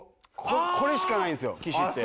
これしかないんですよ岸って。